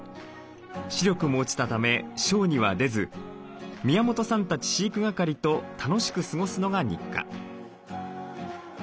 視力も落ちたためショーには出ず宮本さんたち飼育係と楽しく過ごすのが日課。